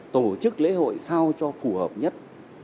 tổ chức lễ hội sao cho phù hợp nhất